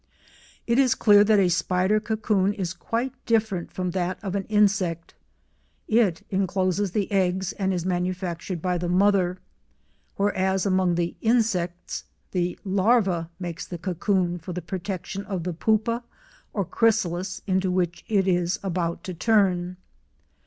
It is clear that a spider cocoon is quite different from that of an insect; it encloses the eggs and is manufactured by the mother, whereas among the insects the larva makes the cocoon for the protection of the pupa or chrysalis into which it is about to turn.